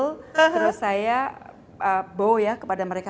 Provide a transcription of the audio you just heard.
terus saya bow ya kepada mereka